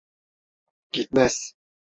Gitmez.